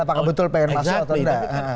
apakah betul pengen masuk atau enggak